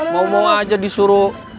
mau mau aja disuruh